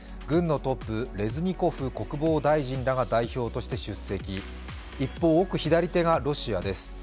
軍のトップ、レズニコフ国防大臣らが代表として出席一方、奥左手がロシアです。